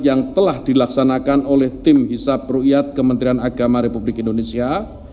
yang telah dilaksanakan oleh tim hisap ruqyat kementerian agama republik indonesia